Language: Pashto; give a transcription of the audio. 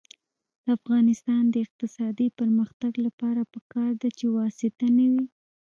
د افغانستان د اقتصادي پرمختګ لپاره پکار ده چې واسطه نه وي.